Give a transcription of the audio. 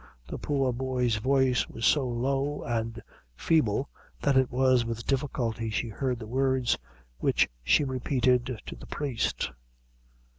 The poor boy's voice was so low and feeble, that it was with difficulty she heard the words, which she repeated to the priest.